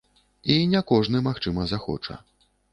І не кожны магчыма захоча.